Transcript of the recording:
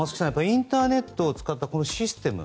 インターネットを使ったシステム